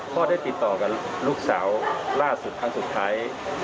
พ่อได้ติดต่อกับลูกสาวล่าสุดครั้งสุดท้าย